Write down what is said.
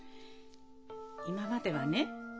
今まではね